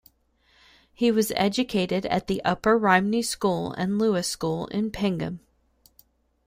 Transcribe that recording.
He as educated at the Upper Rhymney School and Lewis School in Pengam.